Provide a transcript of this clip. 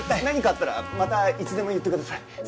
何かあったらまたいつでも言ってください。